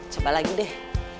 coba lagi deh